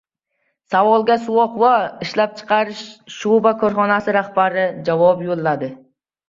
Savolga “Suvoqova” ishlab chiqarish shoʻba korxonasi rahbari javob yoʻlladi.